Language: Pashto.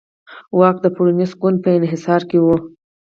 واک د پېرونېست ګوند په انحصار کې و.